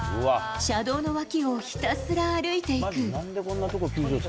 車道の脇をひたすら歩いていく。